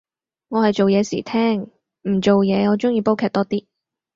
我係做嘢時聽，唔做嘢我鍾意煲劇多啲